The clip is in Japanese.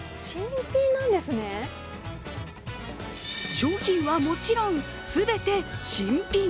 商品はもちろん、全て新品。